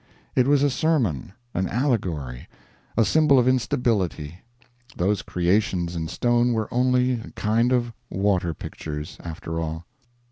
It was a sermon, an allegory, a symbol of Instability. Those creations in stone were only a kind of water pictures, after all.